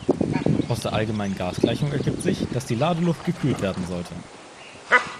Aus der allgemeinen Gasgleichung ergibt sich, dass die Ladeluft gekühlt werden sollte.